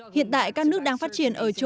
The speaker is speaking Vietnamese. hiện tại các nước đang phát triển ở châu âu